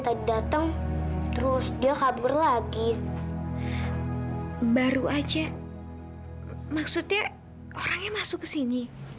maksudnya orangnya masuk ke sini